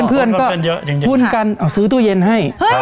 เพื่อนก็พูดกันเอาซื้อตู้เย็นให้